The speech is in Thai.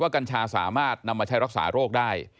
กัญชาสามารถนำมาใช้รักษาโรคได้